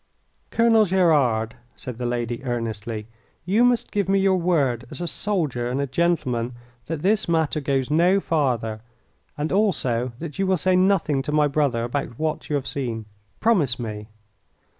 "Colonel Gerard," said the lady, earnestly, "you must give me your word as a soldier and a gentleman that this matter goes no farther, and also that you will say nothing to my brother about what you have seen. Promise me!"